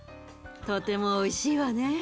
とてもおいしいわね。